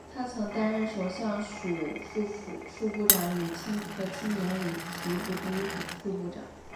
他曾经担任首相署副部长和青年与体育部第一副部长。